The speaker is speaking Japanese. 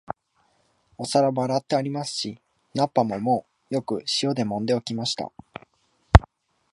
お皿も洗ってありますし、菜っ葉ももうよく塩でもんで置きました